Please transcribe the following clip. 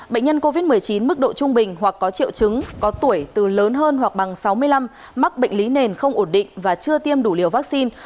bệnh nhân covid một mươi chín mức độ trung bình hoặc có triệu chứng có tuổi từ lớn hơn hoặc bằng sáu mươi năm mắc bệnh lý nền không ổn định và chưa tiêm đủ liều vaccine